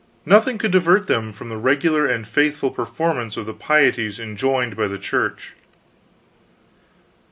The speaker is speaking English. Nothing could divert them from the regular and faithful performance of the pieties enjoined by the Church.